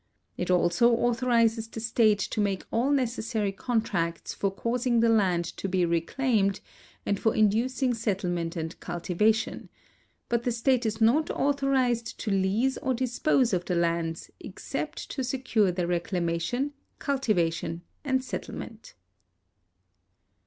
It also authorizes the state to make all neces sary contracts for causing the lands to be reclaimed and for in ducing settlement and cultivation, but the state is not authorized to lease or dispose of the lands except to secure their reclama tion, cultivation, and settlement.